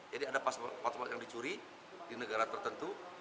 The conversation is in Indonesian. jadi ada pas pas yang dicuri di negara tertentu